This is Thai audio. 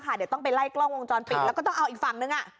เดี๋ยวต้องไปไล่กล้องวงจรปิดที่หนึ่งอีกฝั่ง